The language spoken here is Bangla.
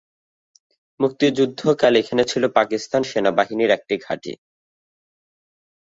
মুক্তিযুদ্ধকালে এখানে ছিল পাকিস্তান সেনাবাহিনীর একটি ঘাঁটি।